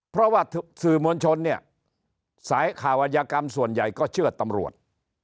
เพราะว่าสื่อมวลชนเนี่ยสายข่าวอัยกรรมส่วนใหญ่ก็เชื่อตำรวจ